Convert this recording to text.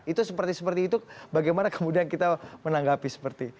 itu seperti seperti itu bagaimana kemudian kita menanggapi seperti itu